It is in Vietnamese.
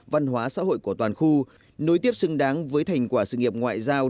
văn hóa xã hội của toàn khu nối tiếp xứng đáng với thành quả sự nghiệp ngoại giao